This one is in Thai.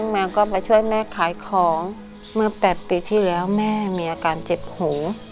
แมวก็มาช่วยแม่ขายของเมื่อ๘ปีที่แล้วแม่มีอาการเจ็บหู